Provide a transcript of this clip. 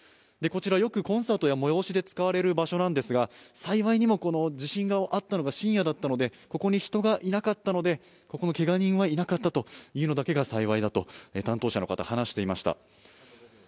こちらよくコンサートや催しで使われる場所なんですが幸いにも地震があったのが深夜だったのでここに人がいなかったので、けが人はいなかったというのだけが幸いだと担当者の方、話していました。